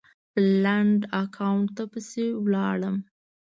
لنډ اکاونټ ته پسې لاړم